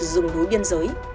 dùng má túy